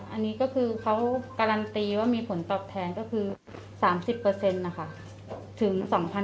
อันนี้ก็คือเขาการันตีว่ามีผลตอบแทนก็คือ๓๐นะคะ